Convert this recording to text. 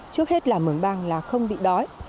trước hết là mường bang là không bị đói